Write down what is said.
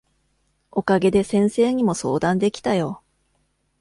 お陰で先生にも相談できたよ。